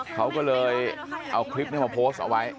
เขาก็เลยเอาคลิปนี้มาโพสต์เอาไว้